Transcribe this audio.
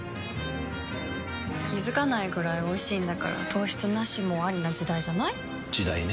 気付かないくらいおいしいんだから糖質ナシもアリな時代じゃない？時代ね。